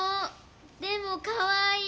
でもかわいい！